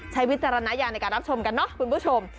ใช้วิตรณะอย่างในการรับชมกันเนอะคุณผู้ชม